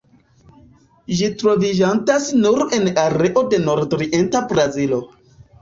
Ĝi troviĝantas nur en areo de nordorienta Brazilo.